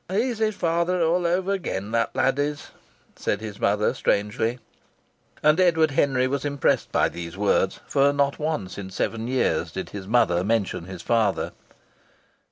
"He's his father all over, that lad is!" said his mother, strangely. And Edward Henry was impressed by these words, for not once in seven years did his mother mention his father.